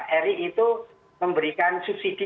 eric itu memberikan subsidi